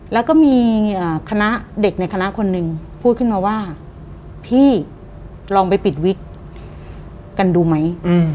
แล้วก็มีคณะเด็กในคณะคนหนึ่งพูดขึ้นมาว่าพี่ลองไปปิดวิกกันดูไหม